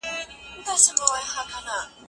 د هر پوهنتون اصول په پام کي ونیسئ.